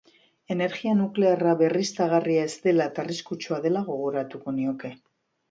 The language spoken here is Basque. Energia nuklearra berriztagarria ez dela eta arriskutsua dela gogoratuko nioke.